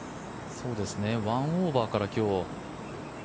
１オーバーから今日。